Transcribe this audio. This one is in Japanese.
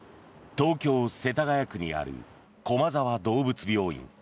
東京・世田谷区にある駒沢どうぶつ病院。